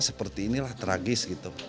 seperti inilah tragis gitu